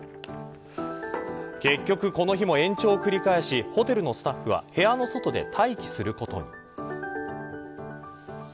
結局この日も延長を繰り返しホテルのスタッフは部屋の外で待機することに。